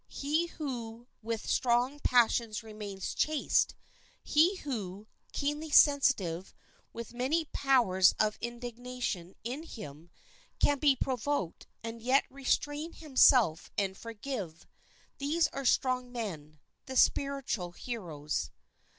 He who with strong passions remains chaste, he who, keenly sensitive, with manly powers of indignation in him, can be provoked and yet restrain himself and forgive, these are strong men, the spiritual heroes.